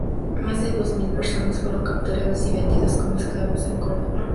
Más de dos mil personas fueron capturadas y vendidas como esclavas en Córdoba.